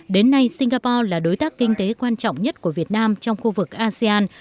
đến nay singapore là đối tác kinh tế quan trọng nhất của việt nam trong khu vực asean